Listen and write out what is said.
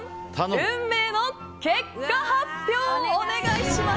運命の結果発表をお願いします。